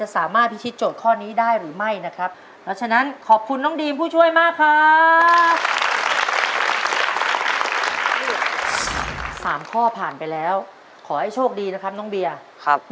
สมาธิดีนะครับ